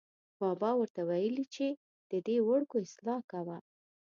بابا ور ته ویلې چې ددې وړکو اصلاح کوه.